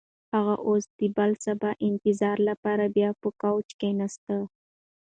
هغه اوس د بل سبا د انتظار لپاره بیا پر کوچ کښېناسته.